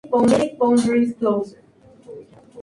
Lo hace con buenas intenciones.